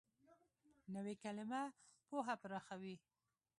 نوې کلیمه پوهه پراخوي